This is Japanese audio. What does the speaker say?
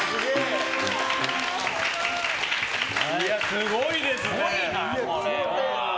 すごいですね。